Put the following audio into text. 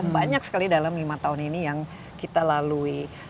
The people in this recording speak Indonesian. banyak sekali dalam lima tahun ini yang kita lalui